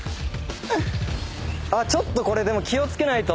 ちょっとこれ気を付けないと。